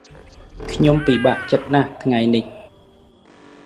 ខ្ញុំពិបាកចិត្តណាស់ថ្ងៃនេះ។